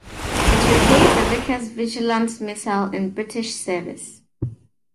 It replaced the Vickers Vigilant missile in British service.